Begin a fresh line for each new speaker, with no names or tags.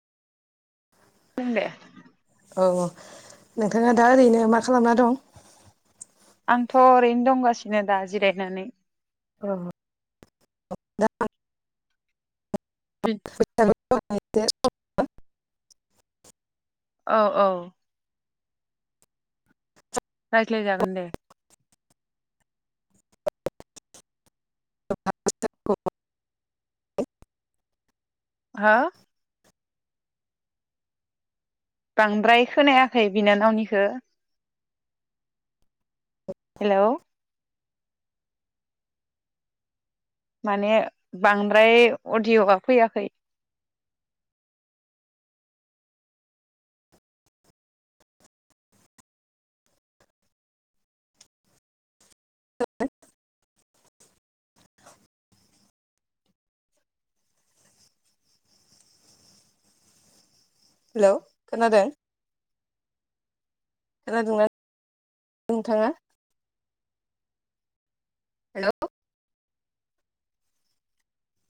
बुंदो
औ औ नोंथाङा दा ओरैनो मा खालामना दं।
आंथ' ओरैनो दंगासिनो दा जिरायनानै
ओ [unintelligible] [unintelligible] [unintelligible]
औ औ। रायज्लायजागोन दे।
[unintelligible]
हो? बांद्राय खोनायाखै बिनानावखो हेलौ। माने बांद्राय अदिय'आ फैयाखै।
[unintelligible] हेल' खोनादों? खोनादोंना नोंथाङा? [inaudible] हेल'?